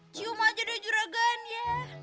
cium aja deh juragan ya